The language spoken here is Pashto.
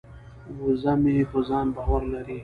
وزه مې په ځان باور لري.